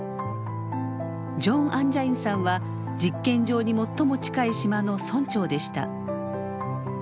ジョン・アンジャインさんは実験場に最も近い島の村長でした。